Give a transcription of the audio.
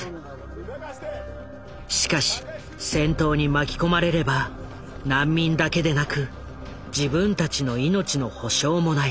しかし戦闘に巻き込まれれば難民だけでなく自分たちの命の保証もない。